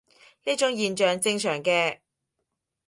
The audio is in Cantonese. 呢種現象正常嘅